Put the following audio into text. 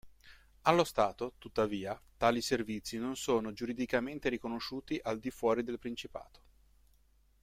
Allo stato, tuttavia, tali servizi non sono giuridicamente riconosciuti al di fuori del Principato.